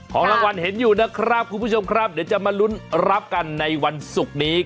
ของรางวัลเห็นอยู่นะครับคุณผู้ชมครับเดี๋ยวจะมาลุ้นรับกันในวันศุกร์นี้